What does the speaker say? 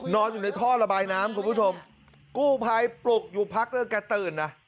นอนอยู่ในท่อระบายน้ำคุณผู้ชมกู้ภัยปลุกอยู่พักแล้วแกตื่นนะ